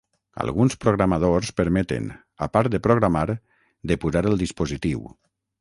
Alguns programadors permeten, a part de programar, depurar el dispositiu.